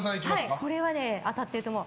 これは当たってると思う。